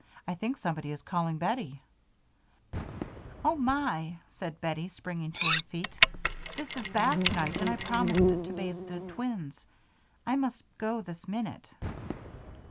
"I think somebody is calling Bettie." "Oh, my!" said Bettie, springing to her feet. "This is bath night and I promised to bathe the twins. I must go this minute."